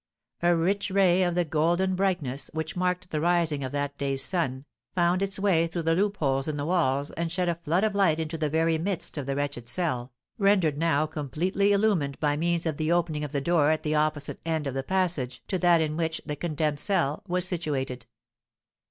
A rich ray of the golden brightness, which marked the rising of that day's sun, found its way through the loopholes in the walls, and shed a flood of light into the very midst of the wretched cell, rendered now completely illumined by means of the opening of the door at the opposite end of the passage to that in which the condemned cell was situated.